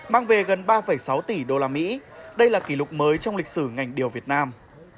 mang về gần ba sáu tỷ đô la mỹ đây là kỷ lục mới trong lịch sử ngành điều việt nam